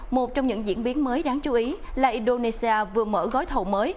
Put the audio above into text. một trong những diễn biến mới đáng chú ý là indonesia vừa mở gói thầu mới